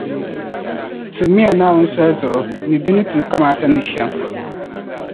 Tuhimi ya Naawuni soli zuɣu ni di ni tu kamaata ni shεm.